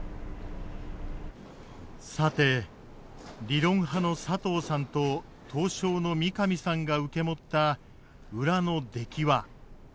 さて理論派の佐藤さんと刀匠の三上さんが受け持った裏の出来は。